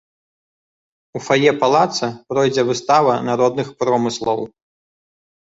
У фае палаца пройдзе выстава народных промыслаў.